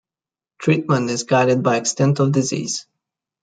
Treatment is guided by extent of disease.